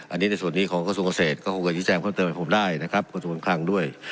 อันนี้แต่ส่วนนี้ของกาวทรวงเศรษฐ์ก็คงเกินที่แจ้งความเติมให้ผมได้นะครับกะวัดวงคลางด้วย